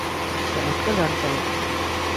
চমৎকার রানটাইম।